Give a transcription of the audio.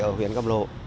ở huyện câm lộ